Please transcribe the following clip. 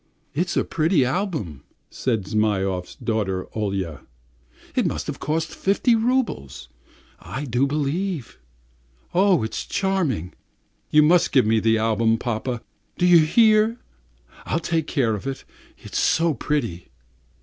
"It's a pretty album," said Zhmyhov's daughter Olya, "it must have cost fifty roubles, I do believe. Oh, it's charming! You must give me the album, papa, do you hear? I'll take care of it, it's so pretty."